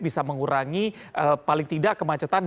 bisa mengurangi paling tidak kemacetan